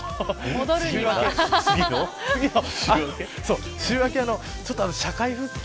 次の週明け、社会復帰。